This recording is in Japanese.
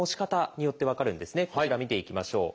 こちら見ていきましょう。